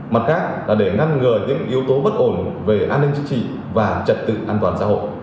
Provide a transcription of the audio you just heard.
mặt khác là để ngăn ngừa những yếu tố bất ổn về an ninh chính trị và trật tự an toàn xã hội